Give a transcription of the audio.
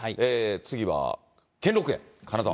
次は兼六園、金沢。